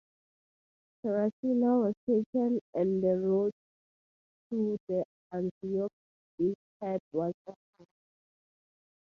Terracina was taken and the road to the Anzio beachhead was opened.